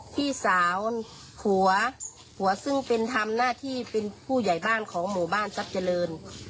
พี่สาวหัวซึ่งเป็นทำหน้าที่เป็นผู้ใหญ่บ้านของหมู่บ้านทรัพย์เจริญ